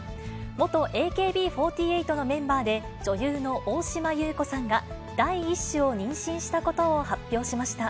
元ＡＫＢ４８のメンバーで、女優の大島優子さんが第１子を妊娠したことを発表しました。